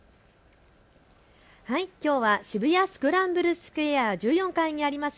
きょうは渋谷スクランブルスクエア１４階にあります